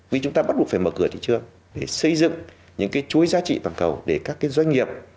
vì chúng ta bắt buộc phải mở cửa thị trường để xây dựng những cái chuỗi giá trị toàn cầu để các doanh nghiệp